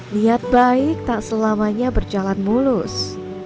niat baik tak selamanya berjalan mulus